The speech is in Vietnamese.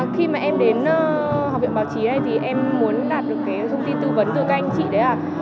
khi mà em đến học viện báo chí đây thì em muốn đạt được cái thông tin tư vấn từ các anh chị đấy ạ